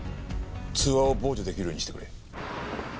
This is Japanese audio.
通話を傍受出来るようにしてくれ。